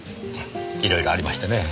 色々ありましてねえ。